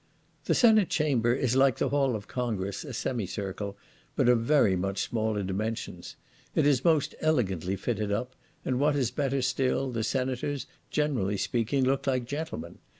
The Senate chamber is, like the Hall of Congress, a semicircle, but of very much smaller dimensions. It is most elegantly fitted up, and what is better still, the senators, generally speaking, look like gentlemen.